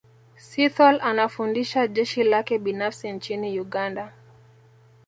Sithole anafundisha jeshi lake binafsi nchini Uganda